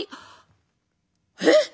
えっ！？